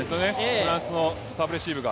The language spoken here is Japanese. フランスのサーブレシーブが。